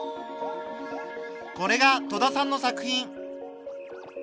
これが戸田さんの作品。